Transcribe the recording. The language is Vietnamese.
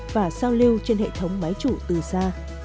và sao lưu trên hệ thống máy chủ từ xa